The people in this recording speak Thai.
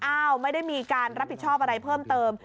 ไม่ได้มีการรับผิดชอบอะไรเพิ่มเติม